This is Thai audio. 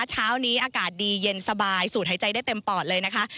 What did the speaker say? เช้านี้อากาศดีเย็นสบายสูดหายใจได้เต็มปอดเลยนะคะ